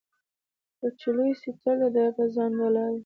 خو چي لوی سي تل د ده په ځان بلاوي